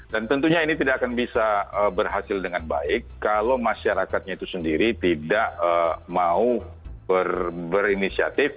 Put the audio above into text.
dan tentunya ini tidak akan bisa berhasil dengan baik kalau masyarakatnya itu sendiri tidak mau berinisiatif